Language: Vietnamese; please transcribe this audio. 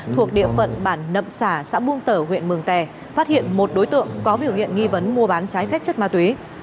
thuộc địa phận bản nậm sả xã buôn tở huyện mường tè phát hiện một đối tượng có biểu hiện nghi vấn mua bán trái phép chất ma túy